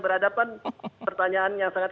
berhadapan pertanyaan yang sangat